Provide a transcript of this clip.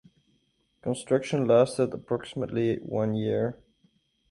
Construction lasted approximately one year.